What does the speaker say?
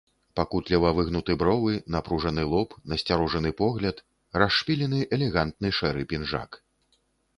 Пакутліва выгнуты бровы, напружаны лоб, насцярожаны погляд, расшпілены элегантны шэры пінжак.